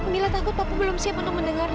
mila takut papa belum siap untuk mendengarnya bu